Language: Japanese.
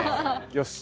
よし。